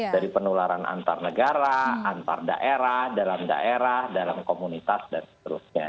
dari penularan antar negara antar daerah dalam daerah dalam komunitas dan seterusnya